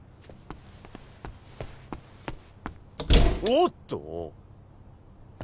おっと。